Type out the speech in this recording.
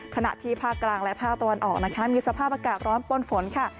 ขณะที่ภาคกลางและภาคตะวันออกนะคะมีสภาพอากาศร้อนป้นฝนค่ะ